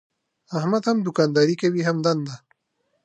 احمد هم دوکانداري کوي هم دنده.